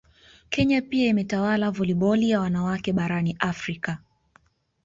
Kenya pia imetawala voliboli ya wanawake barani Afrika